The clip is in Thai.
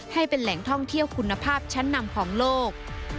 ให้เป็นแหล่งท่องเที่ยวคุณภาพชั้นนำของโลก